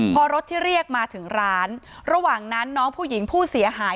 พอรถที่เรียกมาถึงร้านระหว่างนั้นน้องผู้หญิงผู้เสียหาย